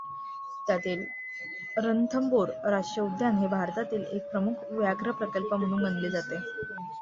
त्यातील रणथंबोर राष्ट्रीय उद्यान हे भारतातील एक प्रमुख व्याघ्रप्रकल्प म्हणून गणले जाते.